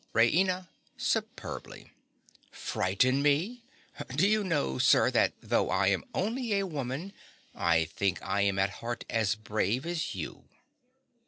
RAINA. (superbly). Frighten me! Do you know, sir, that though I am only a woman, I think I am at heart as brave as you.